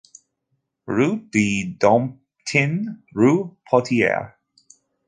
Ru de Domptin, ru Pottier.